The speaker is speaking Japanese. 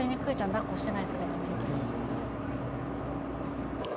だっこしてない姿見る気がする。